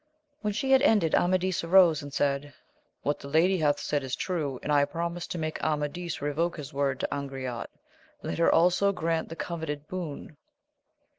When she had ended, Amadis arose and said. What the lady hath said is true, and I promise to make Amadis revoke his word to Angriote : let her also grant the covenanted boon.